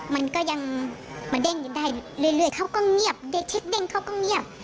มันก็ยังมาเด้งอยู่ได้เรื่อยเขาก็เงียบเด็กเช็คเด้งเขาก็เงียบ